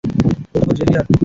উঠো, জেভিয়ার।